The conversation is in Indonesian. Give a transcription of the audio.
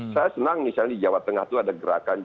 saya senang misalnya di jawa tengah itu ada gerakan